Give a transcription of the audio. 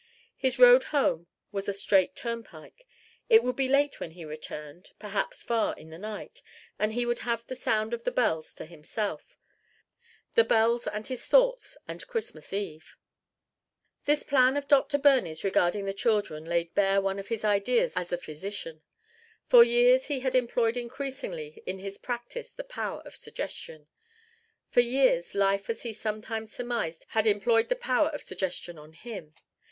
His road home was a straight turnpike: it would be late when he returned, perhaps far in the night; and he would have the sound of the bells to himself the bells and his thoughts and Christmas Eve. This plan of Dr. Birney's regarding the children laid bare one of his ideas as a physician. For years he had employed increasingly in his practice the power of suggestion. For years life as he sometimes surmised had employed the power of suggestion on him.